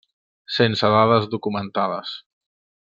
Sense dades documentades.